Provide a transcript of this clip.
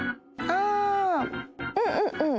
あうんうんうん。